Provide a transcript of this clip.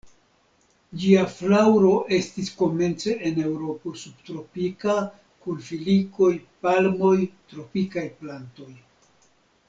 Ĝia flaŭro estis komence en Eŭropo subtropika kun filikoj, palmoj, tropikaj plantoj.